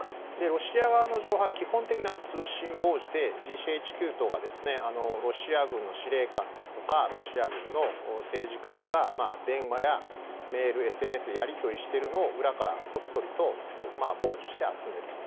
ロシア側の情報は基本的には通信傍受でＧＣＨＱ等がロシア軍の司令官ですとかロシア軍の政治家が電話やメール、ＳＮＳでやり取りしているのを裏からこっそりと傍受して集めると。